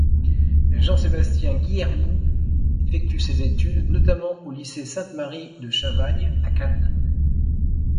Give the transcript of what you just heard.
Jean-Sébastien Guillermou effectue ses études, notamment, au lycée Sainte Marie de Chavagnes, à Cannes.